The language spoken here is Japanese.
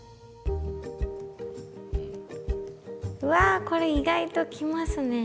わこれ意外ときますね。